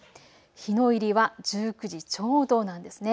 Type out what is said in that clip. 日の入りは１９時ちょうどなんですね。